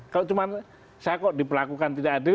kalau cuma saya kok diperlakukan tidak adil